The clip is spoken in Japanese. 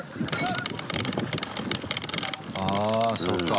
ああそうか。